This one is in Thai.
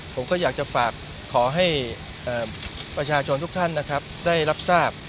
ผมก็อยากจะฝากขอให้ประชาชนทุกท่านนะครับได้รับทราบ